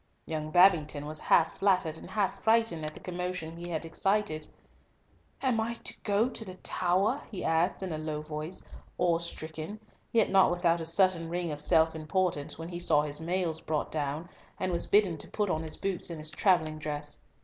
Young Babington was half flattered and half frightened at the commotion he had excited. "Am I going to the Tower?" he asked, in a low voice, awestricken, yet not without a certain ring of self importance, when he saw his mails brought down, and was bidden to put on his boots and his travelling dress.